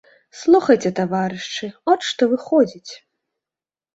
Слухайце, таварышы, от што выходзіць.